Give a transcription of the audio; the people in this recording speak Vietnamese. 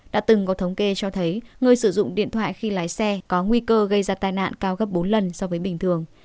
đã từng có thống kê cho thấy người sử dụng điện thoại khi lái xe có nguy cơ gây ra tai nạn cao gấp bốn lần so với bình thường